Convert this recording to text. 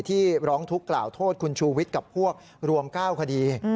ที่ร้องทุกข์กล่าวโทษคุณชูวิทย์กับพวกรวม๙คดี